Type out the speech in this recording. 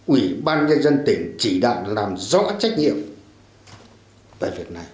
ủy ban dân tỉnh chỉ đạo làm rõ trách nhiệm về việc này